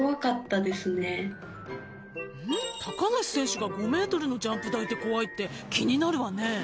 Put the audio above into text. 梨選手が５ｍのジャンプ台で怖いって気になるわね